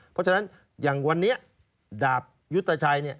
เพราะฉะนั้นอย่างวันนี้ดาบยุทธชัยเนี่ย